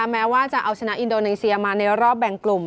แม้ว่าจะเอาชนะอินโดนีเซียมาในรอบแบ่งกลุ่ม